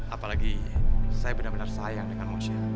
apalagi saya benar benar sayang dengan museum